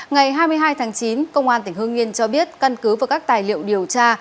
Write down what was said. ngày hai mươi hai tháng chín công an tỉnh hương yên cho biết căn cứ và các tài liệu điều tra